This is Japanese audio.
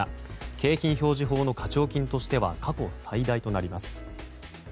景品表示法の課徴金としては過去最大となります。